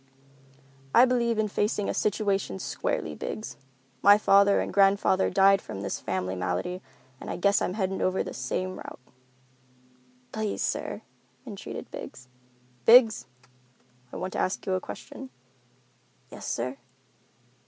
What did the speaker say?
"I believe in facing a situation squarely, Biggs. My father and grandfather died from this family malady, and I guess I'm headed over the same route." "Please, sir," entreated Biggs. "Biggs, I want to ask you a question." "Yes, sir?"